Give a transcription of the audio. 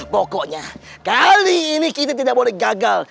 pokoknya kali ini kita tidak boleh gagal